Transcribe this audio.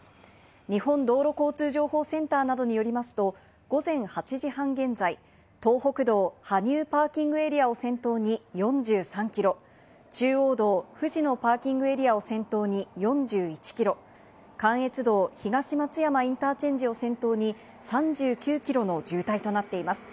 日本道路交通情報センターなどによりますと午前８時半現在、東北道・羽生パーキングエリアを先頭に４３キロ、中央道・藤野パーキングエリアを先頭に４１キロ、関越道・東松山インターチェンジを先頭に３９キロの渋滞となっています。